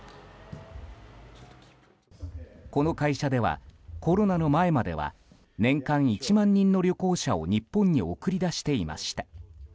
この会社ではコロナの前までは年間１万人の旅行者を日本に送り出していました。